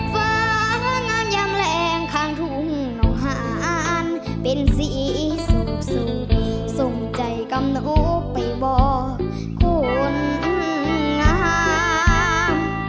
ฟ้างานยังแรงข้างทุ่มห่างเป็นสีสุขสุขส่งใจกรรมรูปไปบอกคนอ่าม